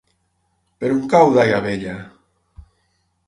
Per on cau Daia Vella?